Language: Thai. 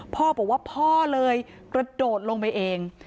พ่อบอกว่าพ่อเลยกระโดดลงไปเอง